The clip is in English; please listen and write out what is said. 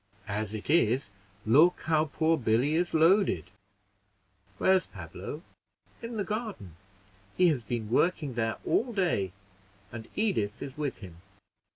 As it is, look how poor Billy is loaded. Where's Pablo?" "In the garden. He has been working there all day, and Edith is with him."